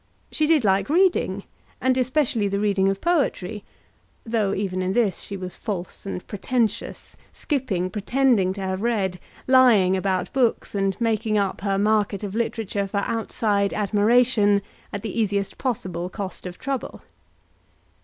She did like reading, and especially the reading of poetry, though even in this she was false and pretentious, skipping, pretending to have read, lying about books, and making up her market of literature for outside admiration at the easiest possible cost of trouble.